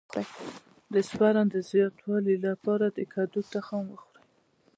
د سپرم د زیاتوالي لپاره د کدو تخم وخورئ